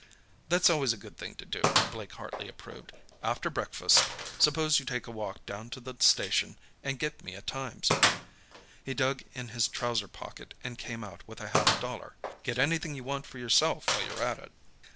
"That's always a good thing to do," Blake Hartley approved. "After breakfast, suppose you take a walk down to the station and get me a Times." He dug in his trouser pocket and came out with a half dollar. "Get anything you want for yourself, while you're at it."